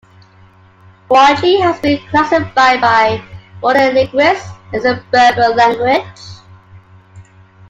Guanche has been classified by modern linguists as a Berber language.